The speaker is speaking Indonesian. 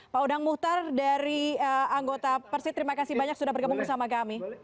pak udang muhtar dari anggota persi terima kasih banyak sudah bergabung bersama kami